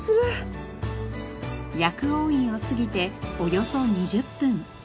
薬王院を過ぎておよそ２０分。